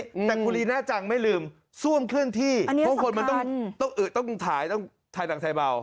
แต่คุณลีน่าจังไม่ลืมซ่วมเคลื่อนที่อันนี้สำคัญเพราะคนมันต้องต้องถ่ายต้องถ่ายดั่งใส่เบา